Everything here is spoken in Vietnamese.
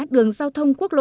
đường giao thông quốc lộ